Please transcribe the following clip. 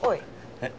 えっ？